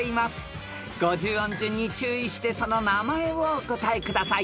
［５０音順に注意してその名前をお答えください］